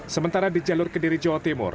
sementara di jalur kediri jawa timur